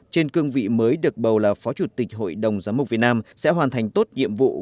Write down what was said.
trên cương vị mới được bầu là phó chủ tịch hội đồng giám mục việt nam sẽ hoàn thành tốt nhiệm vụ